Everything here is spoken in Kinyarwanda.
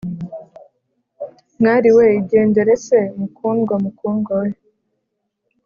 Mwali we igendere se mukundwa (mukundwa we)